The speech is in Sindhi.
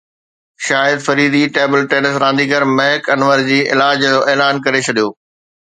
شاهد فريدي ٽيبل ٽينس رانديگر مهڪ انور جي علاج جو اعلان ڪري ڇڏيو